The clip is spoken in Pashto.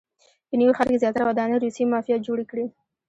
په نوي ښار کې زیاتره ودانۍ روسیې مافیا جوړې کړي.